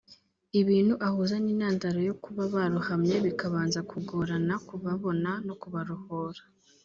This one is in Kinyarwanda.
ibintu ahuza n’intandaro yo kuba barohamye bikabanza kugorana kubabona no kubarohora